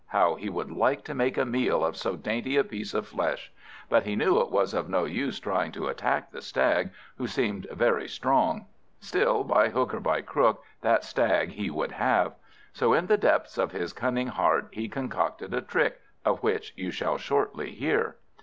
How he would like to make a meal of so dainty a piece of flesh. But he knew it was of no use trying to attack the Stag, who seemed very strong. Still, by hook or by crook, that Stag he would have. So in the depths of his cunning heart he concocted a trick, of which you shall shortly hear.